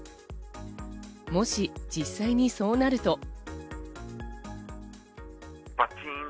もし実際にそうなると。